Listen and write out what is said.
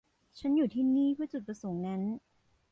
ฉันอยู่ที่นี่เพื่อจุดประสงค์นั้น